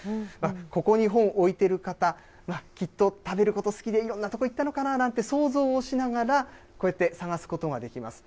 ここに本置いてる方、きっと、食べること好きで、いろんな所行ったのかなとか想像をしながら、こうやって探すことができます。